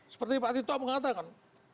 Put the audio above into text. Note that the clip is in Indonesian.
seperti pak tito mengatakan